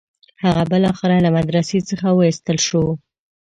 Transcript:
هغه بالاخره له مدرسې څخه وایستل شو.